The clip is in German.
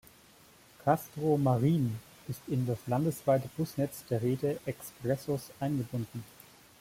Castro Marim ist in das landesweite Busnetz der Rede Expressos eingebunden.